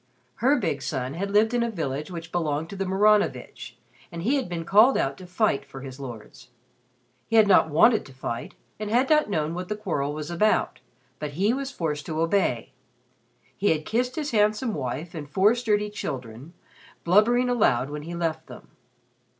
Her big son had lived in a village which belonged to the Maranovitch and he had been called out to fight for his lords. He had not wanted to fight and had not known what the quarrel was about, but he was forced to obey. He had kissed his handsome wife and four sturdy children, blubbering aloud when he left them.